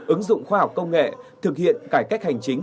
ứng dụng khoa học công nghệ thực hiện cải cách hành chính